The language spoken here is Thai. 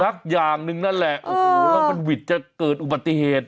สักอย่างหนึ่งนั่นแหละโอ้โหแล้วมันหวิดจะเกิดอุบัติเหตุ